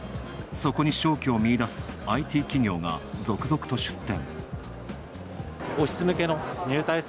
そこに商機を見出すＩＴ企業が続々と出展。